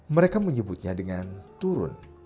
mereka menyebutnya dengan turun